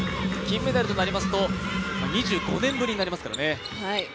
金メダルとなりますと２５年ぶりになりますからね。